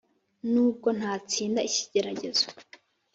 Nubwo ntatsinda iki kigeragezo